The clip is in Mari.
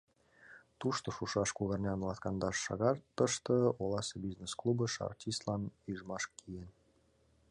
Тушто шушаш кугарнян латкандаш шагатыште оласе бизнес-клубыш артистлан ӱжмаш киен.